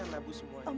kamu harus diinginkan